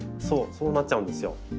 そうなっちゃうんですよ。